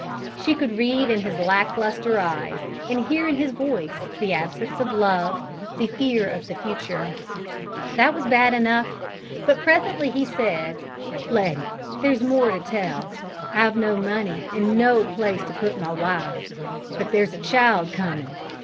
She could read in his lack lustre eyes, and hear in his voice, the absence of love, the fear of the future. That was bad enough, but presently he said: "Letty, there's more to tell. I've no money, and no place to put my wife, but there's a child coming.